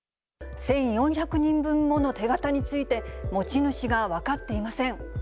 １４００人分もの手形について、持ち主が分かっていません。